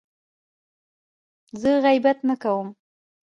زه غیبت نه کوم.